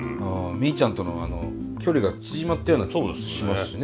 みーちゃんとのあの距離が縮まったような気もしますしね。